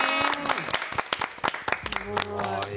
すごい。